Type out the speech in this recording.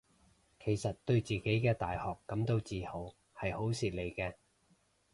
其實對自己嘅大學感到自豪係好事嚟嘅